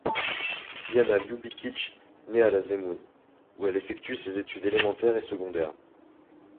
Jana Ljubičić naît le à Zemun, où elle effectue ses études élémentaires et secondaires.